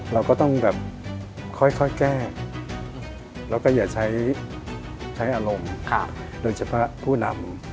เราก็ต้องแบบค่อยแก้แล้วก็อย่าใช้อารมณ์โดยเฉพาะผู้นำ